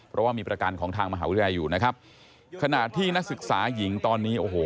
เพราะว่ามีประกันของทางมหาวิทยาลัยอยู่นะครับขณะที่นักศึกษาหญิงตอนนี้โอ้โห